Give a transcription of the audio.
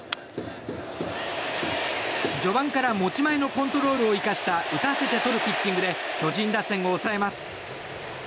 序盤から持ち前のコントロールを生かした打たせてとるピッチングで巨人打線を抑えます。